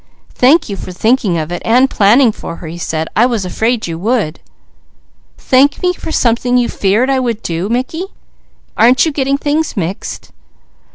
"Thank you for thinking of it, and planning for her," he said. "I was afraid you would." "Thank me for something you feared I would do! Mickey, aren't you getting things mixed?"